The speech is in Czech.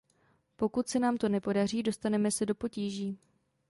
Pokud se nám to nepodaří, dostaneme se do potíží.